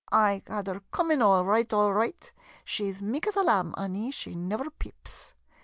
I had her coomin' all roight — all roight. She 's meek as a lamb, Annie — she never peeps